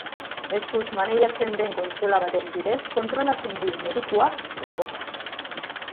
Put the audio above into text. Eskuz maneiatzen den kontsola baten bidez kontrolatzen du medikuak robota.